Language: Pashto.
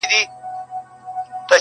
دي مــــړ ســي.